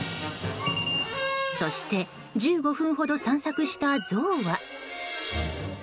そして１５分ほど散策したゾウは。